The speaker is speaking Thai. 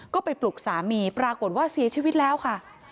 ก็ไปปลุกสามีปรากฏว่าเสียชีวิตแล้วค่ะ